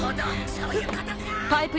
そういうことか！